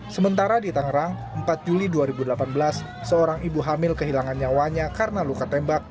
sementara di tangerang empat juli dua ribu delapan belas seorang ibu hamil kehilangan nyawanya karena luka tembak